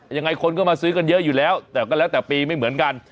ยังไงคนก็มาซื้อกันเยอะอยู่แล้วแต่ก็แล้วแต่ปีไม่เหมือนกัน